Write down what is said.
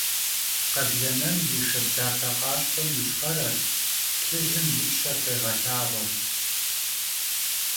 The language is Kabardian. Kheblemem yi şşabzepe khaşxhuem yişxherer, plhıjım yipşer khêğelhağue.